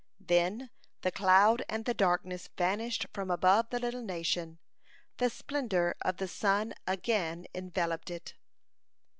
Then the cloud and the darkness vanished from above the little nation, the splendor of the sun again enveloped it.